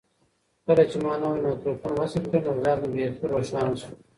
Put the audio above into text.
کله چې ما نوی مایکروفون وصل کړ نو غږ مې بیخي روښانه شو.